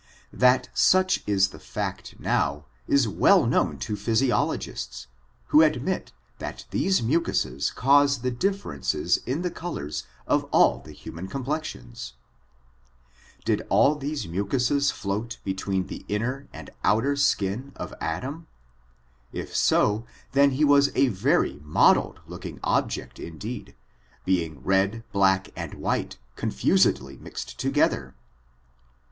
That such is the fact now, is well known to phys iologists, who admit that these mucuses cause the difference in the colors of all the human complexions. Did all these mucuses float between the inner and ^^^^^^^^0^0^^ i^k^k^^^^h^^^ FOaTVNBSf OF TBS KEG&O BACE. 143 outward skin of Adam 7 If so, then he was a rery tnottied looking object indeed, being led, black, and white^ confusedly mixed together.